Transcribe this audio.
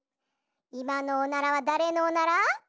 いまのおならはだれのおなら？